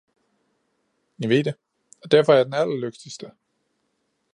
Jeg ved det, og derfor er jeg den allerlykkeligste!